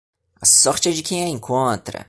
A sorte é de quem a encontra.